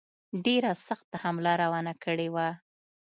ډېره سخته حمله روانه کړې وه.